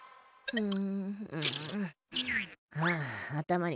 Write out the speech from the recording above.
うん。